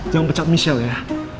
jangan pecat miss l ya